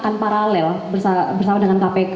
akan paralel bersama dengan kpk